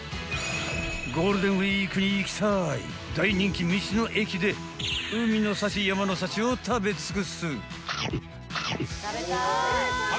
ゴールデンウィークに行きたい大人気道の駅で海の幸を食べつくす。